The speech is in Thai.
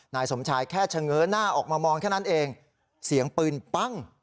นายสมชายแค่เฉง้อหน้าออกมามองแค่นั้นเองเสียงปืนปั้ง